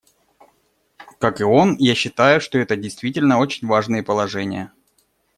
Как и он, я считаю, что это действительно очень важные положения.